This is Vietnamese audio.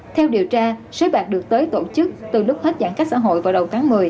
theo điều tra sới bạc được tới tổ chức từ lúc hết giãn cách xã hội vào đầu tháng một mươi